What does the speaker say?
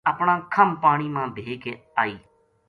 اپنا کَھم پانی ما بھے کے آئی